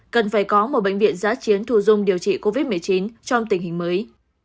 cần phải có một bệnh viện giã chiến thù dung điều trị covid một mươi chín trong tình hình mới